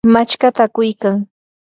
machkata akuykan.